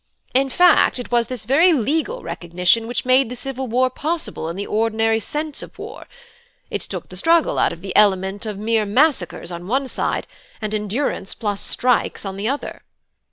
"In fact, it was this very legal recognition which made the civil war possible in the ordinary sense of war; it took the struggle out of the element of mere massacres on one side, and endurance plus strikes on the other."